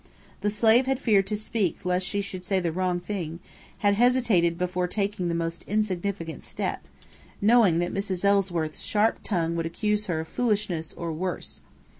The slave had feared to speak lest she should say the wrong thing, had hesitated before taking the most insignificant step, knowing that Mrs. Ellsworth's sharp tongue would accuse her of foolishness or worse.